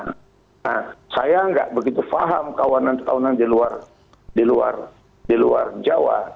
nah saya nggak begitu paham kawanan kawanan di luar jawa